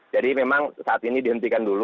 jadi memang saat ini dihentikan dulu